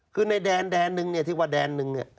คือในแดนหนึ่งที่ว่าแดนหนึ่ง